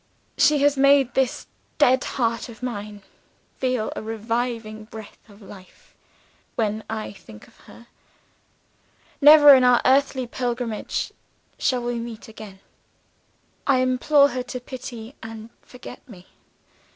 She has made this dead heart of mine feel a reviving breath of life, when I think of her. Never, in our earthly pilgrimage, shall we meet again I implore her to pity and forget me.